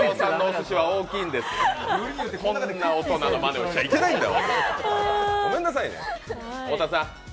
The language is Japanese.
こんな大人のまねしちゃいけないんだよ。